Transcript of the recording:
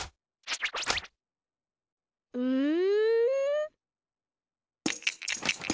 うん？